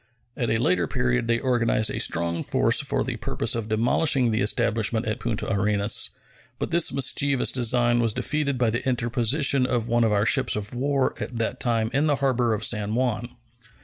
At a later period they organized a strong force for the purpose of demolishing the establishment at Punta Arenas, but this mischievous design was defeated by the interposition of one of our ships of war at that time in the harbor of San Juan.